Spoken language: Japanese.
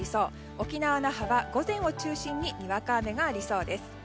沖縄・那覇は午前を中心ににわか雨がありそうです。